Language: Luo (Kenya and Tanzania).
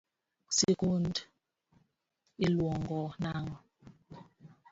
Sikundu iluongo nang’o?